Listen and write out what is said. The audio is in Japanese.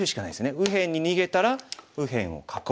右辺に逃げたら右辺を囲う。